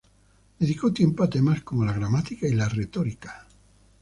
Dedicó tiempo a temas como la gramática y la retórica.